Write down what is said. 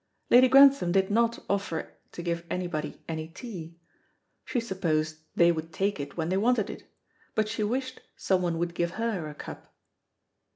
Lady Grantham did not offer to give anybody any tea; she supposed they would take it when they wanted it, but she wished someone would give her a cup.